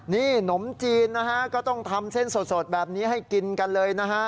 นี่ขนมจีนนะฮะก็ต้องทำเส้นสดแบบนี้ให้กินกันเลยนะฮะ